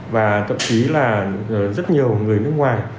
và tậm chí là rất nhiều người nước ngoài